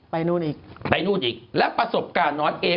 นู่นอีกไปนู่นอีกและประสบการณ์นอนเอง